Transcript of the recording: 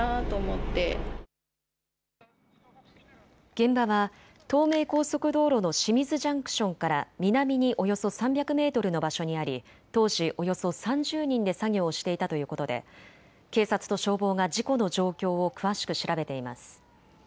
現場は東名高速道路の清水ジャンクションから南におよそ３００メートルの場所にあり当時、およそ３０人で作業をしていたということで警察と消防が事故の状況を詳しく調べています。